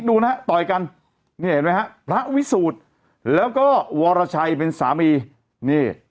ดูนะฮะต่อยกันนี่เห็นไหมฮะพระวิสูจน์แล้วก็วรชัยเป็นสามีนี่